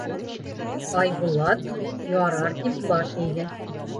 Айбулат, ярар тип, баш эйҙе.